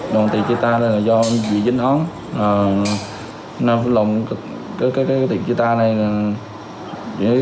đoàn tiệc triệt phá này là do dịch dân hóa